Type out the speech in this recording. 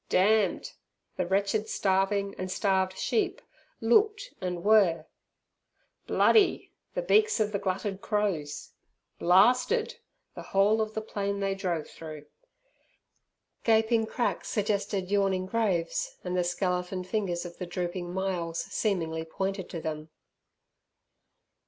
"Damned" the wretched, starving, and starved sheep looked and were; "bloody" the beaks of the glutted crows; "blarsted" the whole of the plain they drove through! Gaping cracks suggested yawning graves, and the skeleton fingers of the drooping myalls seemingly pointed to them.